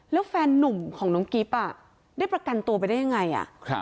แล้วแฟนนุ่มของน้องกิ๊บอ่ะได้ประกันตัวไปได้ยังไง